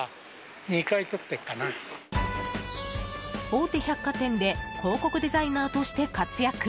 大手百貨店で広告デザイナーとして活躍。